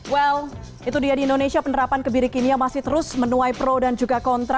well itu dia di indonesia penerapan kebiri kimia masih terus menuai pro dan juga kontra